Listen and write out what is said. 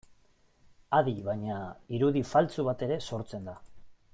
Adi baina, irudi faltsu bat ere sortzen da.